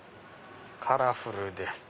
カラフルで。